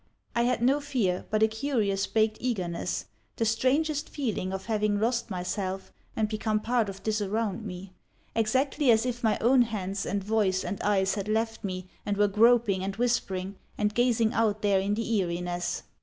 I had no fear, but a curious baked eagerness, the strangest feeling of having lost myself and become part of this around me; exactly as if my own hands and voice and eyes had left me and were groping, and whispering, and gazing out there in the eeriness.